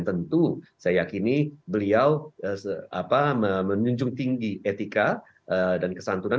tentu saya yakini beliau menjunjung tinggi etika dan kesantunan